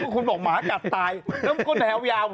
คุณบอกหมากัดตายแล้วก็แนวยาว